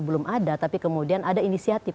belum ada tapi kemudian ada inisiatif